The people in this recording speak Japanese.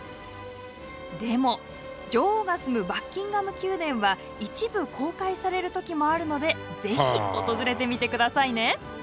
でも女王が住むバッキンガム宮殿は一部公開される時もあるのでぜひ訪れてみて下さいね。